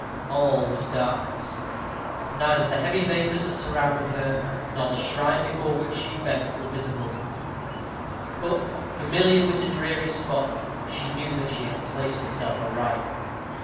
All was darkness. Neither the heavy vapors that surrounded her, nor the shrine before which she bent, were visible; but, familiar with the dreary spot, she knew that she had placed herself aright.